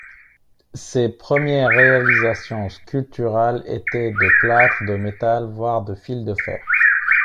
Ses premières réalisations sculpturales étaient de plâtre, de métal, voire de fil de fer.